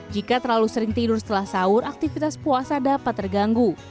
jika terlalu sering tidur setelah sahur aktivitas puasa dapat terganggu